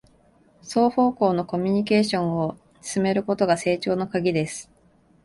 双方向のコミュニケーションを進めることが成長のカギです